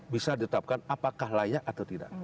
bisa ditetapkan apakah layak atau tidak